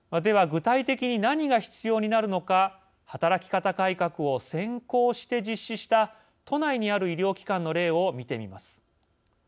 具体的に何が必要になるのか働き方改革を先行して実施した都内にある医療機関の例を見てみます。